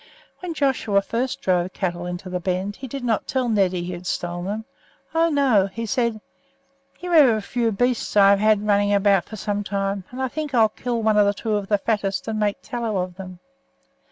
When Joshua first drove cattle into the bend, he did not tell Neddy that he had stolen them. Oh, no! He said: "Here are a few beasts I have had running about for some time, and I think I'll kill one or two of the fattest and make tallow of them.